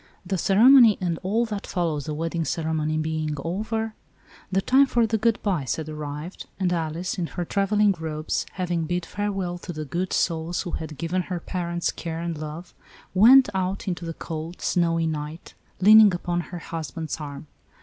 The ceremony, and all that follows a wedding day ceremony, being over, the time for the " good byes" had arrived, and Alice, in her traveling robes, having bid farewell to the good souls who had given her parents' care and love, went out into the cold, snowy night, leaning upon her husband's arm.